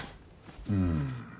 うん。